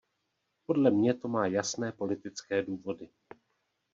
Podle mě to má jasné politické důvody.